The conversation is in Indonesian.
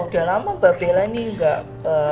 udah lama mbak bella ini gak ke